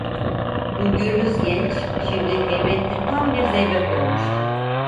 Bu gürbüz genç, şimdi heybetli tam bir zeybek olmuştu.